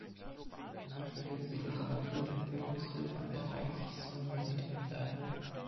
Danach studierte sie Literatur und Entwicklungshilfe an der Reichsuniversität Leiden.